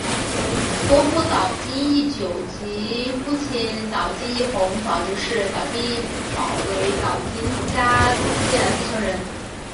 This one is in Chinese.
伯父岛津义久及父亲岛津义弘早就视岛津久保为岛津家未来的继承人。